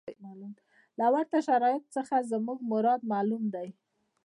له ورته شرایطو څخه زموږ مراد معلوم دی.